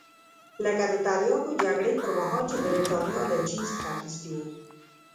لکه د تریاکو جګړې پرمهال چې برېټانیا له چین څخه اخیستي وو.